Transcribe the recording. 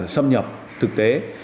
xâm nhập thực tế